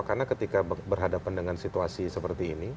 karena ketika berhadapan dengan situasi seperti ini